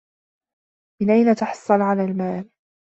من أين تحصل على المال؟